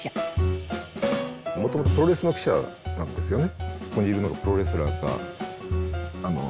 もともとプロレスの記者なんですよね。